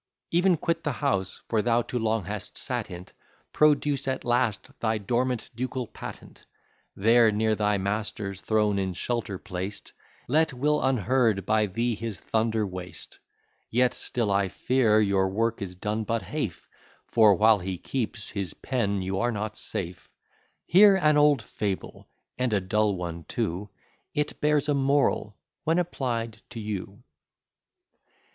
Ev'n quit the house, for thou too long hast sat in't, Produce at last thy dormant ducal patent; There near thy master's throne in shelter placed, Let Will, unheard by thee, his thunder waste; Yet still I fear your work is done but half, For while he keeps his pen you are not safe. Hear an old fable, and a dull one too; It bears a moral when applied to you.